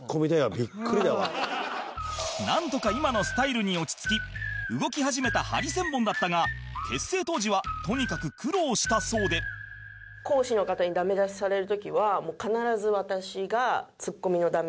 なんとか今のスタイルに落ち着き動き始めたハリセンボンだったが結成当時はとにかく苦労したそうでって言われてて。